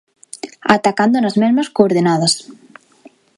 Atacando nas mesmas coordenadas.